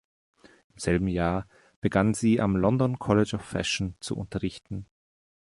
Im selben Jahr begann sie am London College of Fashion zu unterrichten.